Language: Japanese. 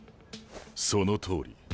そのとおり。